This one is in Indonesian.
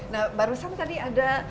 nah barusan tadi ada